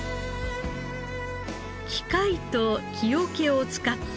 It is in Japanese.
機械と木桶を使った味噌造り。